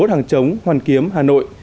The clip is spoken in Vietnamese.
bảy mươi một hàng chống hoàn kiếm hà nội